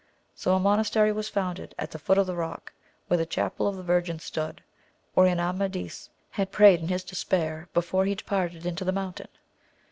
So a monastery was founded at the foot of the rock, where that Chapel of the Virgin stood, wherein Amadis had prayed in his despair before he departed into the mountain.